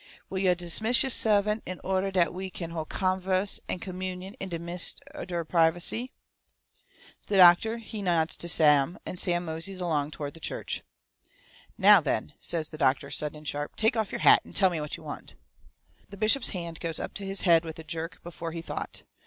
"Will yo' dismiss yo' sehvant in ordeh dat we kin hol' convehse an' communion in de midst er privacy?" The doctor, he nods to Sam, and Sam moseys along toward the church. "Now, then," says the doctor, sudden and sharp, "take off your hat and tell me what you want." The bishop's hand goes up to his head with a jerk before he thought.